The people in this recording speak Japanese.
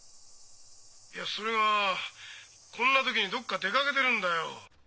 ☎いやそれがこんな時にどっか出かけてるんだよ。